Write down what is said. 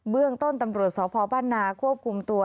เบื้องต้นตำรวจสพนควบคุมตัว